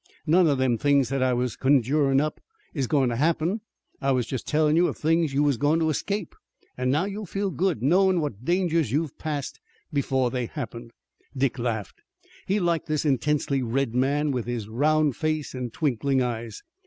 None of them things that I was conjurin' up is goin' to happen. I was just tellin' you of the things you was goin' to escape, and now you'll feel good, knowin' what dangers you have passed before they happened." Dick laughed. He liked this intensely red man with his round face and twinkling eyes.